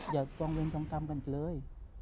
อย่าจองเวรจองกรรมกันเลย